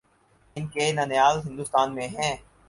ان کے ننھیال ہندوستان میں ہیں۔